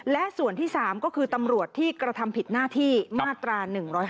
และส่วนที่๓ก็คือตำรวจที่กระทำผิดหน้าที่มาตรา๑๕